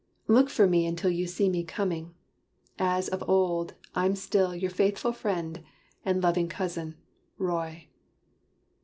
Look for me until You see me coming. As of old I'm still Your faithful friend, and loving cousin, Roy."